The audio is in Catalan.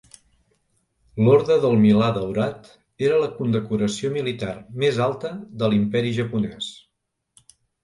L'Orde del Milà Daurat era la condecoració militar més alta de l'Imperi Japonès.